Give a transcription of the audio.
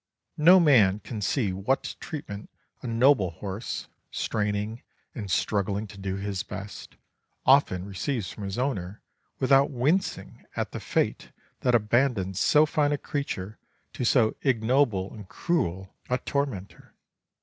No man can see what treatment a noble horse, straining and struggling to do his best, often receives from his owner, without wincing at the fate that abandons so fine a creature to so ignoble and cruel a tormentor.